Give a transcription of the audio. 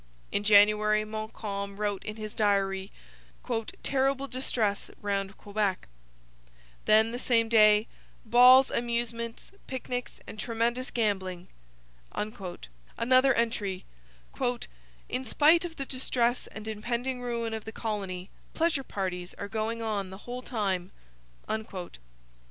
In January Montcalm wrote in his diary: 'terrible distress round Quebec.' Then, the same day: 'balls, amusements, picnics, and tremendous gambling.' Another entry: 'in spite of the distress and impending ruin of the colony pleasure parties are going on the whole time.'